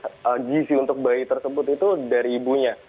karena gizi untuk bayi tersebut itu dari ibunya